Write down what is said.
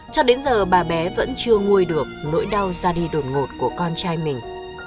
cho đến giờ bà bé vẫn chưa nguôi được nỗi đau ra đi đột ngột của con trai mình